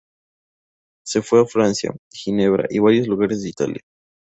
Se fue a Francia, Ginebra, y varios lugares de Italia.